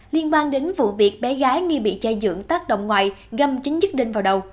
liên quan đến vụ việc bé gái nghi bị chai dưỡng tác động ngoại găm chính dứt đinh vào đầu